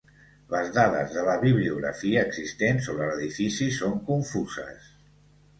Les dades de la bibliografia existent sobre l'edifici són confuses.